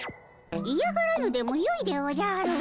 いやがらぬでもよいでおじゃる。